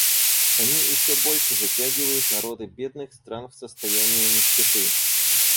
Они еще больше затягивают народы бедных стран в состояние нищеты.